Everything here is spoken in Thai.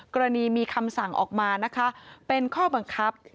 กรณีมีคำสั่งออกมานะคะเป็นข้อบังคับ